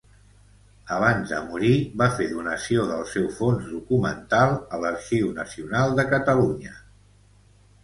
Abans de morir va fer donació del seu fons documental a l'Arxiu Nacional de Catalunya.